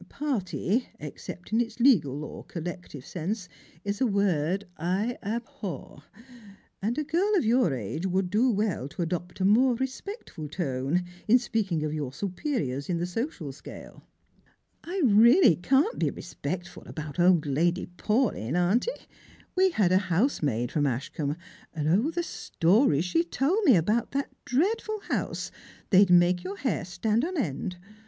Party, except in its legal or collective sense, is a word I abhor ; and a girl of your age would do well to adopt a more respectful tone in speaking of your superiors in the social Kcale." "I really can't be respectful about old Lady Paulyn, aunt. We had a housemaid from Ashcombe ; and, 0, the stories she told me about that dreadful house ! They'd make your hair stand on end.